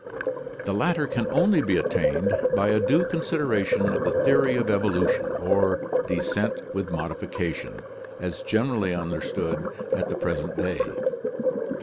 The latter can only be attained by a due consideration of the theory of evolu tion (or descent with modification) as generally understood at the present day.